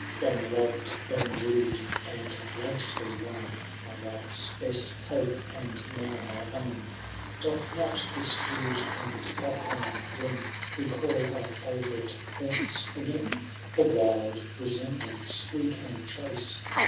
Long loved, long woo'd, and lately won. My lifers be§t hope, and now mine own I Doth not this rude and Alpine glen Recall our &TOurite haunts agen ? A wild resemblance we can trace.